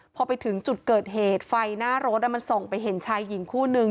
พอไปถึงจุดเกิดเหตุไฟหน้ารถมันส่องไปเห็นชายหญิงคู่นึง